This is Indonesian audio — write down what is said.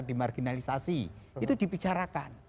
dimarginalisasi itu dipicarakan